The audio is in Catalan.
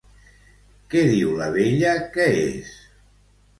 Què diu la vella que és?